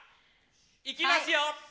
いきますよ！